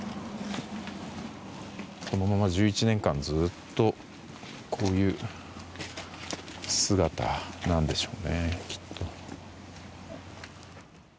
このまま１１年間ずっとこういう姿なんでしょうね。